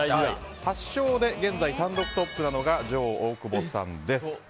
８勝で現在単独トップなのが女王・大久保さんです。